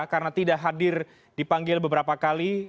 karena tidak hadir dipanggil beberapa kali